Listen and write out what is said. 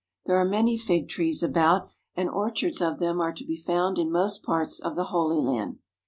There are many fig trees about, and orchards of them are to be found in most parts of the Holy Land.